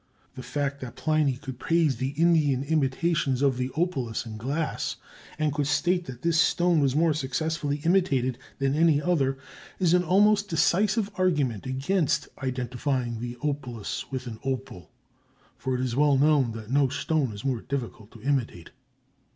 The fact that Pliny could praise the Indian imitations of the opalus in glass, and could state that this stone was more successfully imitated than any other, is an almost decisive argument against identifying the opalus with an opal, for it is well known that no stone is more difficult to imitate.